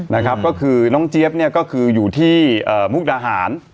นะครับก็คือน้องเจี๊ยบเนี่ยก็คืออยู่ที่มุกดาหาร